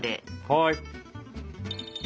はい。